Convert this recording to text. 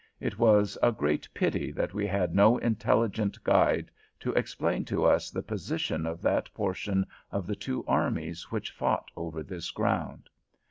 It was a great pity that we had no intelligent guide to explain to us the position of that portion of the two armies which fought over this ground.